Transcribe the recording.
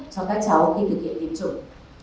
cho các cháu khi thực hiện tiêm chủng